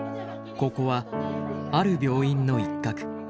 ここはある病院の一角。